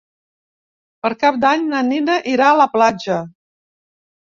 Per Cap d'Any na Nina irà a la platja.